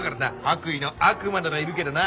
白衣の悪魔ならいるけどな。